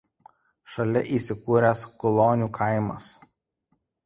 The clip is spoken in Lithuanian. Šalia įsikūręs Kulionių kaimas.